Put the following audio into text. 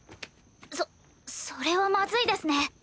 そそれはまずいですね。